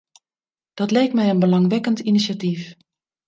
Dat leek mij een belangwekkend initiatief.